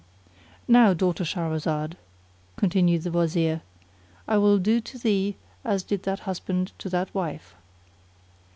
"Now, daughter Shahrazad," continued the Wazir, "I will do to thee as did that husband to that wife."